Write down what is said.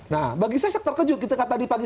nah bagi saya terkejut kita katakan tadi pagi